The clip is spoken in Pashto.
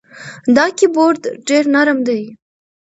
دا کیبورد ډېر نرم دی.